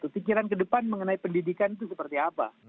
pikiran ke depan mengenai pendidikan itu seperti apa